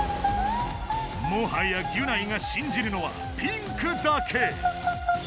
もはやギュナイが信じるのはピンクだけ。